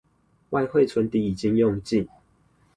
外匯存底已經用盡